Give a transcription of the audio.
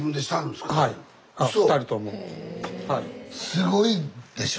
すごいでしょ？